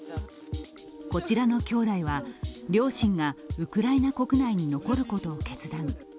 こちらのきょうだいは、両親がウクライナ国内に残ることを決断。